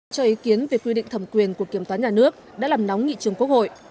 cho ý kiến về quy định thẩm quyền của kiểm toán nhà nước đã làm nóng nghị trường quốc hội